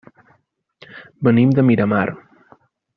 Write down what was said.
Venim de Miramar.